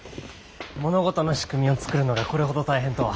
物事の仕組みを作るのがこれほど大変とは。